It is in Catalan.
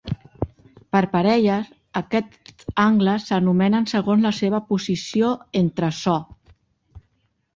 Per parelles, aquests angles s'anomenen segons la seva posició entre so.